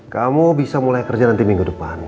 kamu bisa mulai kerja nanti minggu depan